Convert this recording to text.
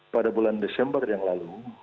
pada bulan desember yang lalu